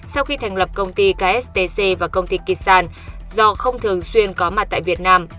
sau khi thành lập công ty kstc và công ty kissan do không thường xuyên có mặt tại việt nam